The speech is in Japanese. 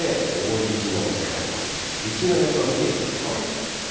雪の予想見ていきましょう。